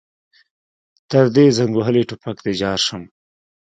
تر دې زنګ وهلي ټوپک دې ځار شم.